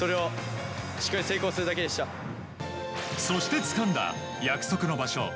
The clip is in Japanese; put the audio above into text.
そしてつかんだ約束の場所